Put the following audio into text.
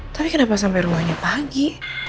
tapi kenapa sampai rumahnya pagi